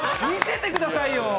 見せてくださいよ。